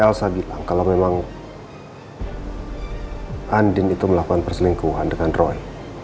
elsa bilang kalau memang andin itu melakukan perselingkuhan dengan roy